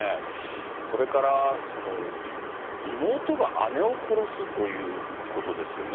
それから妹が姉を殺すということですよね。